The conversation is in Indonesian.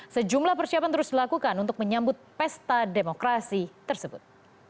sejumlah persiapan terus dilakukan untuk menyambut pesta demokrasi tersebut